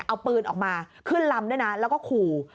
เอาปืนออกมาขึ้นลำด้วยนะแล้วก็ขู่